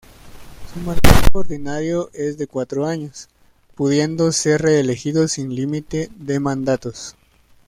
Su mandato ordinario es de cuatro años, pudiendo ser reelegido sin límite de mandatos.